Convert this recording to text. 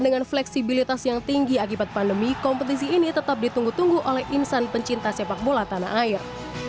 dengan fleksibilitas yang tinggi akibat pandemi kompetisi ini tetap ditunggu tunggu oleh insan pencinta sepak bola tanah air